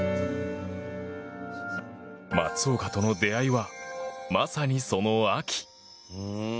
松岡との出会いはまさに、その秋。